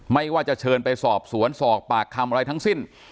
ไม่ว่าจะเชิญไปสอบสวนสอบปากคำอะไรทั้งสิ้น